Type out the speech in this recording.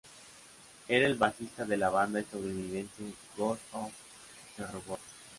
Era el bajista de la banda estadounidense Ghost of the Robot.